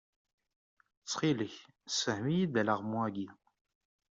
Ttxil-k, sefhem-iyi-d alaɣmu-agi?